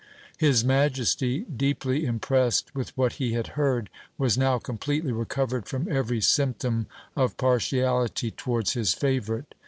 His majesty, deeply impressed with what he had heard, was now completely recovered from every symptom of partiality towards his favourite.